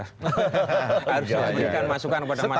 harus memberikan masukan kepada masyarakat